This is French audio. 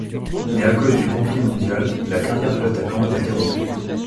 Mais à cause du conflit mondial, la carrière de l'attaquant est interrompue.